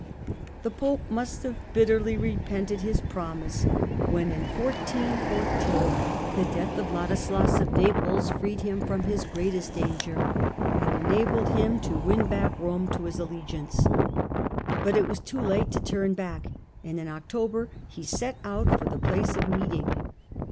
The Pope must have bitterly repented his promise, when in 1414 the death of Ladislas freed him Death of from his greatest danger and enabled him to win back ^^pj^^^^ °^ Rome to his allegiance. But it was too late to turn^^i^ back, and in October he set out for the place of meet ing.